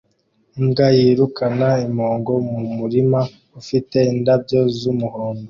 Imbwa yirukana impongo mu murima ufite indabyo z'umuhondo